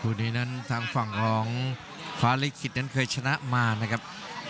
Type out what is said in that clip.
คู่นี้นั้นทางฝั่งของฟ้าลิขิตนั้นเคยชนะมานะครับ